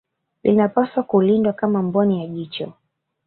Linapaswa kulindwa kama mboni ya jicho